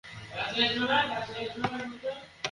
আপনার কথাবার্তায় বুঝা যায়, আপনি ইহুদী।